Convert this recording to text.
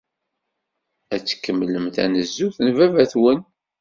Ad tkemmlem tanezzut n baba-twen.